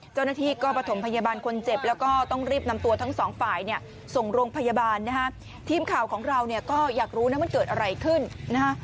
เจ้าหน้าที่ก็ประถมพยาบาลคนเจ็บแล้วก็ต้องรีบนำตัวทั้งสองฝ่ายเนี่ยส่งโรงพยาบาลนะฮะทีมข่าวของเราเนี่ยก็อยากรู้นะมันเกิดอะไรขึ้นนะฮะ